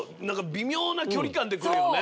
微妙な距離感で来るよね。